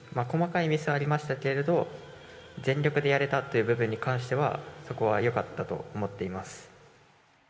細かいミスはありましたけれど、全力でやれたっていう部分に関しては、そこはよかったと思っています。